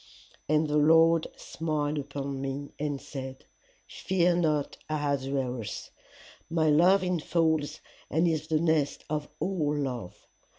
And the Lord smiled upon me and said, Fear not, Ahasuerus; my love infolds and is the nest of all love.